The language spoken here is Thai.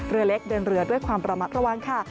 เรือเล็กเดินเรือด้วยความระมัดระวังค่ะ